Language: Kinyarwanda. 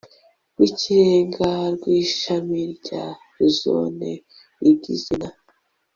rw ikirenga rw ishami rya Zone Igizwe na